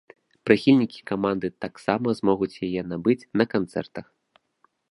Прыхільнікі каманды таксама змогуць яе набыць на канцэртах.